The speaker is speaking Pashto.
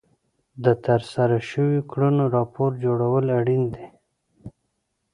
د ترسره شوو کړنو راپور جوړول اړین دي.